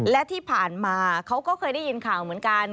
และที่ผ่านมาเขาก็เคยได้ยินข่าวเหมือนกัน